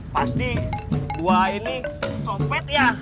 pasti buah ini sopet ya